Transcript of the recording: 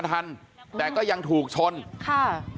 ฟะแล้วก็ยังถูกชนค่ะ